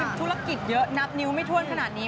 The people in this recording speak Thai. ธุรกิจเยอะนับนิ้วไม่ถ้วนขนาดนี้